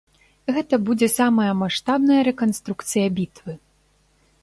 Гэта будзе самая маштабная рэканструкцыя бітвы.